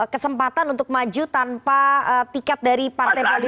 kesempatan untuk maju tanpa tiket dari partai politik